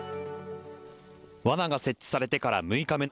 罠が設置されてから６日目。